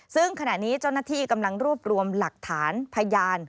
ซึ่งขณะนี้เจ้าหน้าที่กำลังรวบรวมหลักฐานพยาน